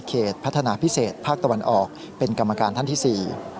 พัฒนาพิเศษภาคตะวันออกเป็นกรรมการท่านที่สี่